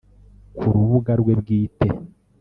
Ku rubuga rwe bwite